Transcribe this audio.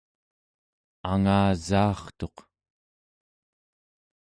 angasaartuq